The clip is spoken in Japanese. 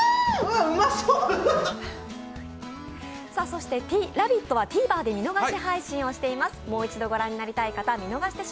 そして「ラヴィット！」はＴｖｅｒで見逃し配信しています。